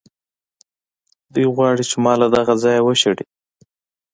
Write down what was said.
دوی غواړي چې ما له دغه ځایه وشړي.